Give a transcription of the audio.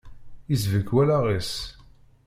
Isbek wallaɣ-is.